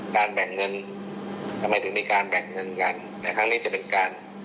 แบ่งเงินทำไมถึงมีการแบ่งเงินกันแต่ครั้งนี้จะเป็นการ